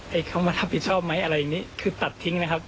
ให้เขามารับผิดชอบไหมอะไรอย่างนี้คือตัดทิ้งนะครับ